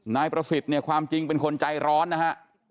นายประสิทธิ์เนี่ยความจริงเป็นคนใจร้อนนะฮะ